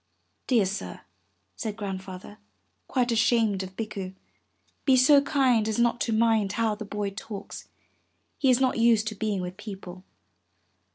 '*Dear sir," said Grandfather, quite ashamed of Bikku, ''be so kind as not to mind how the boy talks; he is not used to being with people."